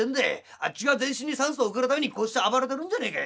あっちが全身に酸素を送るためにこうして暴れてるんじゃねえか。